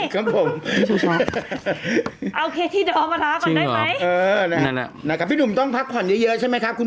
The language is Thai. เข้าใจไหมคนอย่างเธอน่ะจะต้องชดใช้กรรมก่อน